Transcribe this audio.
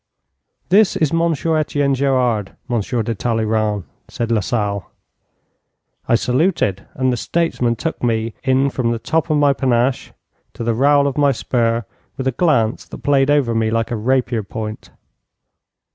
'This is Monsieur Etienne Gerard, Monsieur de Talleyrand,' said Lasalle. I saluted, and the statesman took me in from the top of my panache to the rowel of my spur, with a glance that played over me like a rapier point.